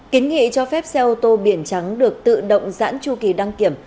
kiến nghị cho phép xe ô tô biển trắng được tự động giãn tru kỳ đăng kiểm